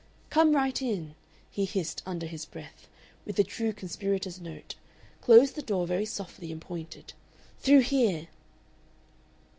"Come right in," he hissed under his breath, with the true conspirator's note, closed the door very softly and pointed, "Through there!"